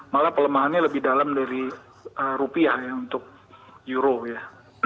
malah pelemahannya lebih dalam dari rupiah ya untuk euro ya